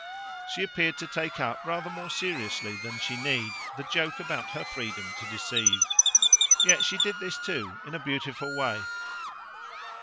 She appeared to take up rather more seriously than she need the joke about her freedom to deceive. Yet she did this too in a beautiful way.